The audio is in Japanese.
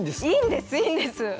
いいんですいいんです。